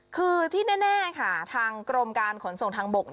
คือที่แน่ค่ะทางกรมการขนส่งทางบก